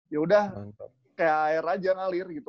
ya udah kayak air aja ngalir gitu